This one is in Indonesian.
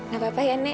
gak apa apa ya nek